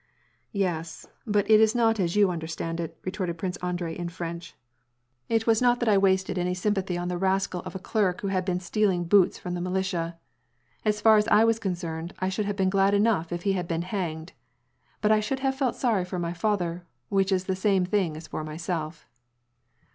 " Yes, but it is not as you understand it," retorted Prince Andrei in French. " It was not that I wasted any sympathy • PredvodUyeL WAn AND PEACE. 115 on the rascal of a clerk who had been stealing boots from the militia. As far as he was concerned I should have been glad enough if he had been hanged ; but I should have felt sorry for my father, which is the same thing as for myself."